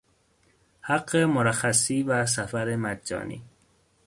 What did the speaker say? حق مرخصی و سفر مجانی